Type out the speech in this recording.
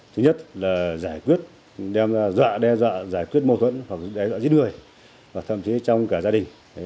thứ nhất là giải quyết đem ra dọa đe dọa giải quyết mâu thuẫn hoặc đe dọa giết người thậm chí trong cả gia đình